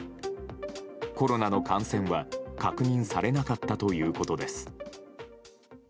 コロナの感染は確認されなかったということです。